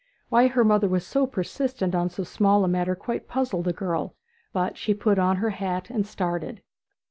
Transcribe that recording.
Why her mother was so persistent on so small a matter quite puzzled the girl; but she put on her hat and started.